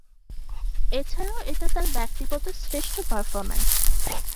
এছাড়াও এটা তার ব্যক্তিগত শ্রেষ্ঠ পারফরমেন্স।